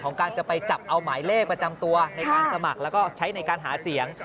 การจะไปจับเอาหมายเลขประจำตัวในการสมัครแล้วก็ใช้ในการหาเสียง